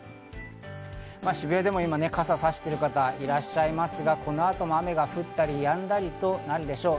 渋谷でも今、傘をさしている方がいらっしゃいますが、この後も雨が降ったりやんだりとなるでしょう。